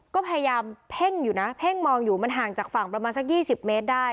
ก็พยายามเพ่งอยู่นะเพ่งมองอยู่มันห่างจากฝั่งประมาณสัก๒๐เมตรได้